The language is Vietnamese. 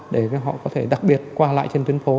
để họ có thể đặc biệt qua lại trên tuyến phố